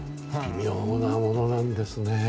いろんなものなんですね。